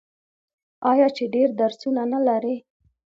آیا چې ډیر درسونه نلري؟